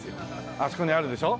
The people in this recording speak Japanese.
あそこにあるでしょ？